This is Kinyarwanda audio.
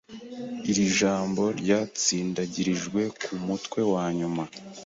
Iri jambo ryatsindagirijwe kumutwe wanyuma.